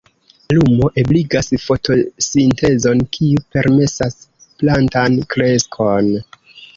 Lumo ebligas fotosintezon, kiu permesas plantan kreskon.